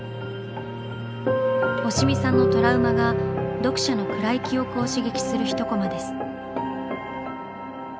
押見さんのトラウマが読者の暗い記憶を刺激する１コマです。